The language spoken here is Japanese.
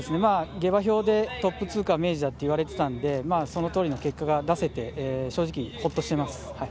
下馬評でトップ通過は明治だと言われていたので、その通りの結果が出せて、ほっとしています。